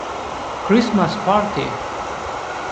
Christmas Party